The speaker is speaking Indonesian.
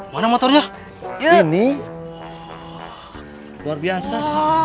mana motornya ya ini luar biasa